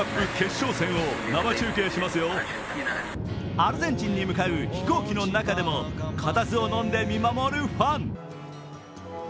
アルゼンチンに向かう飛行機の中でも固唾をのんで見守るファン。